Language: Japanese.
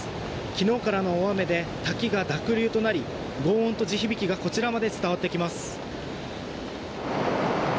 昨日からの大雨で滝が濁流となり轟音と地響きがこちらまで伝わってきます。